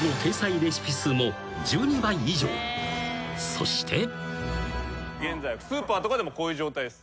［そして］現在はスーパーとかでもこういう状態です。